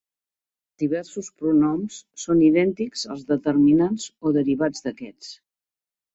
Diversos pronoms són idèntics als determinants o derivats d'aquests.